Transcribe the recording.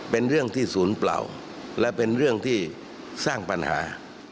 เป็นเรื่องที่ศูนย์เปล่าและเป็นเรื่องที่สร้างปัญหา